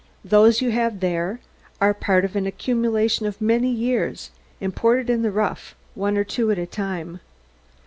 Those you have there are part of an accumulation of many years, imported in the rough, one or two at a time."